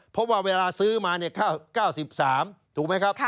เพราะว่าเวลาซื้อมาเนี่ย๙๓ถูกไหมครับ